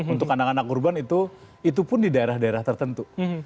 untuk anak anak urban itu pun di daerah daerah tertentu